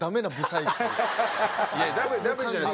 いやダメじゃない。